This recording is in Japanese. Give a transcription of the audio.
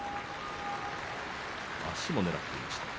足をねらっていました。